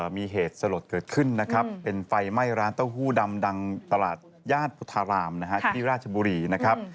มีเหตุสลดเกิดขึ้นนะครับเป็นไฟไหม้ร้านเต้าหู้ดำดังตลาดญาติพุทธารามนะฮะที่ราชบุรีนะครับ